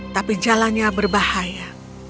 tapi jalannya berbahaya